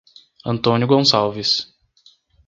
Antônio Gonçalves